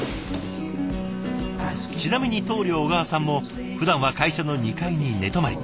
ちなみに棟梁小川さんもふだんは会社の２階に寝泊まり。